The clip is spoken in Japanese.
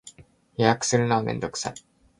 予約するのはめんどくさい